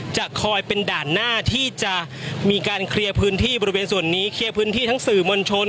จะคอยเป็นด่านหน้าที่จะมีการเคลียร์พื้นที่บริเวณส่วนนี้เคลียร์พื้นที่ทั้งสื่อมวลชน